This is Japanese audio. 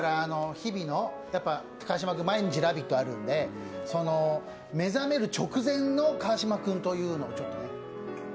日々の川島君、毎日「ラヴィット！」あるんで、目覚める直前の川島君というのを。